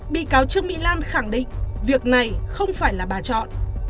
bị cáo trương mỹ lan khẳng định việc này không phải là bà chọn